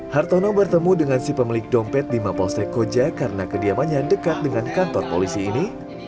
hartono bertemu dengan si pemilik dompet di mapolsek koja karena kediamannya dekat dengan kantor polisi ini